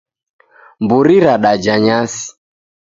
Mburi radaja nyasi